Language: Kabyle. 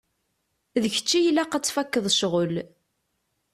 D kečč i ilaq ad tfakkeḍ ccɣel.